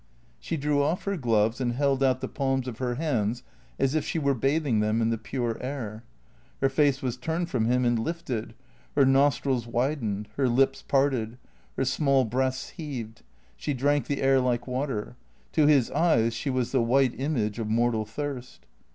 She drew off her gloves and held out the palms of her hands as if she were bathing them in the pure air. Her face was turned from him and lifted; her nostrils widened; her lips, parted ; her small breasts heaved ; she drank the air like water. To his eyes she was the wliite image of mortal thirst.